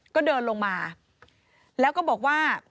ก็เดินลงมาแล้วก็บอกว่า